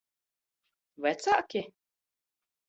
Vecāki?